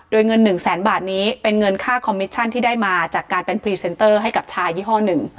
โดยเงินหนึ่งแสนบาทนี้เป็นเงินค่าคอมมิชชั่นที่ได้มาจากการเป็นพรีเซนเตอร์ให้กับชายยี่ห้อหนึ่ง